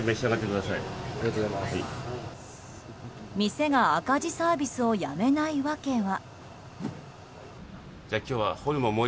店が赤字サービスをやめない訳は。